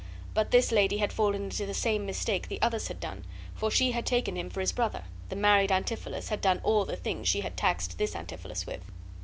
But this lady had fallen into the same mistake the others had done, for she had taken him for his brother; the married Antipholus had done all the things she taxed this Antipholus with.